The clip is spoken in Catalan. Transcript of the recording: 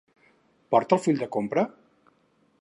Porta el full de compra?